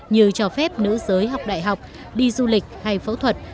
như cho phép nữ giới học đại học đi du lịch hay phẫu thuật